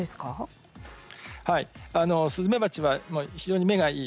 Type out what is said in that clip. スズメバチは非常に目がいい。